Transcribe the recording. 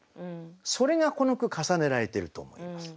それがこの句重ねられてると思います。